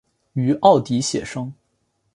於澳底写生